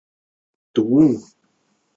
生于山西晋城。